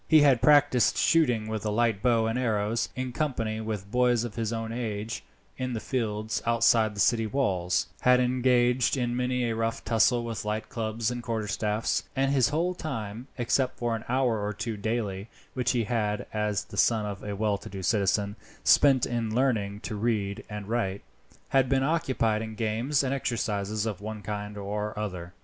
He had practised shooting with a light bow and arrows, in company with boys of his own age, in the fields outside the city walls; had engaged in many a rough tussle with light clubs and quarterstaffs; and his whole time except for an hour or two daily which he had, as the son of a well to do citizen, spent in learning to read and write had been occupied in games and exercises of one kind or other.